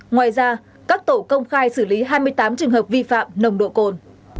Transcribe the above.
ngoài ra các tổ công khai xử lý hai mươi tám trường hợp vi phạm nồng độ cồn